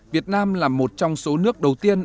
việt nam là một trong số nước đầu tiên